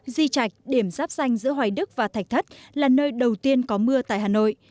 di trạch điểm giáp danh giữa hoài đức và thạch thất là nơi đầu tiên có mưa tại hà nội